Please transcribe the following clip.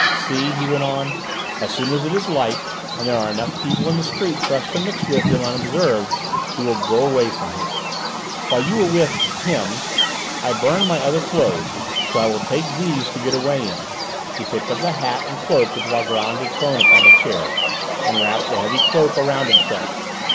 "See," he went on, "as soon as it is light, and there are enough people in the street for us to mix with them unobserved, we will go away from here. While you were with him I burned my other clothes, so I will take these to get away in." He picked up the hat and cloak which Valgrand had thrown upon the chair, and wrapped the heavy cloak around himself.